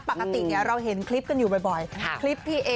ปกติเนี้ยเราเห็นคลิปกันอยู่บ่อยบ่อยครับคลิปพี่